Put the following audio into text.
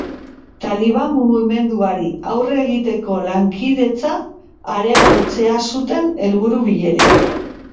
Taliban mugimenduari aurre egiteko lankidetza areagotzea zuten helburu bilerek.